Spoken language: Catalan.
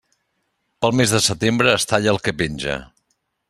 Pel mes de setembre, es talla el que penja.